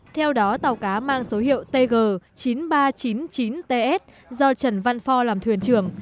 theo đó tàu cá mang số hiệu tg chín nghìn ba trăm chín mươi chín ts do trần văn phò làm thuyền trưởng